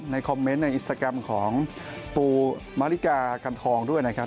คอมเมนต์ในอินสตาแกรมของปูมาริกาคำทองด้วยนะครับ